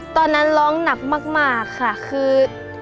ตอนนั้นร้องหนักมากค่ะคือ